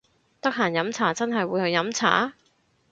得閒飲茶真係會去飲茶！？